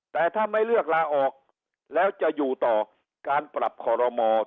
แต่ถ้าไม่เลือกลาออกแล้วจะอยู่ต่อการปรับคอรมอ